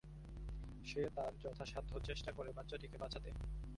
সে তার যথাসাধ্য চেষ্টা করে বাচ্চাটিকে বাঁচাতে।